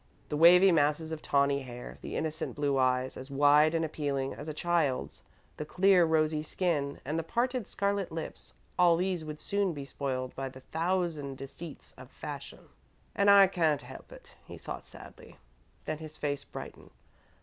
The wavy masses of tawny hair, the innocent blue eyes, as wide and appealing as a child's, the clear, rosy skin, and the parted scarlet lips all these would soon be spoiled by the thousand deceits of fashion. "And I can't help it," he thought, sadly. Then his face brightened.